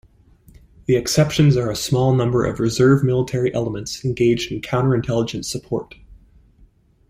The exceptions are a small number of reserve military elements engaged in counter-intelligence support.